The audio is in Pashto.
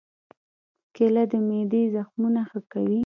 کېله د معدې زخمونه ښه کوي.